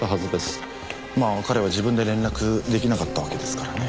まあ彼は自分で連絡できなかったわけですからね。